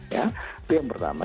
itu yang pertama